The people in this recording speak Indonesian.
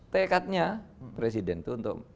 tekatnya presiden itu untuk